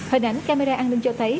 hình ảnh camera an ninh cho thấy